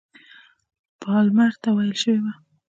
پالمر ته ویل شوي وه.